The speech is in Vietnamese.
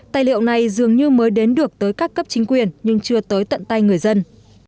tài liệu này dường như mới đến được tới các cấp chính quyền nhưng chưa tới tận tay người dân